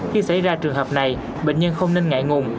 khi xảy ra trường hợp này bệnh nhân không nên ngại ngùng